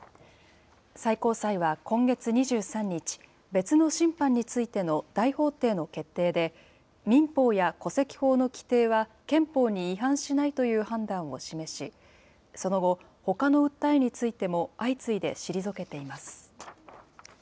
最高裁は、今月２３日、別の審判についての大法廷の決定で、民法や戸籍法の規定は、憲法に違反しないという判断を示し、その後、ほかの訴えについても、相次いで退けています。